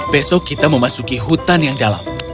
besok kita memasuki hutan yang dalam